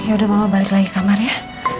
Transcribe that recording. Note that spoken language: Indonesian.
ya udah mama balik lagi kamar ya